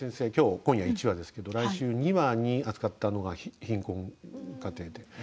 今夜は１話ですけれども来週２話で扱ったのは貧困家庭です。